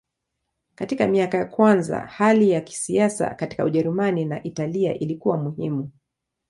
Katika miaka ya kwanza hali ya kisiasa katika Ujerumani na Italia ilikuwa muhimu.